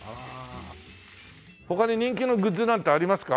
他に人気のグッズなんてありますか？